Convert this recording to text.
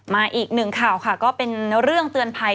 อีกหนึ่งข่าวค่ะก็เป็นเรื่องเตือนภัย